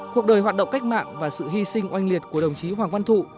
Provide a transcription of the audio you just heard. cuộc đời hoạt động cách mạng và sự hy sinh oanh liệt của đồng chí hoàng văn thụ